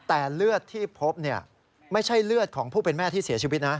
แต่เลือดที่พบไม่ใช่เลือดของผู้เป็นแม่ที่เสียชีวิตนะ